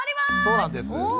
そうなんです。